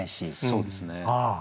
そうですね。